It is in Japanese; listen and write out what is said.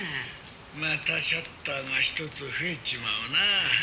「またシャッターが１つ増えちまうな」